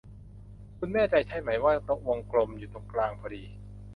คุณแน่ใจใช่ไหมว่าวงกลมอยู่ตรงกลางพอดี